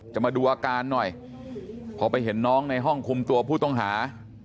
มาดูอาการหน่อยพอไปเห็นน้องในห้องคุมตัวผู้ต้องหา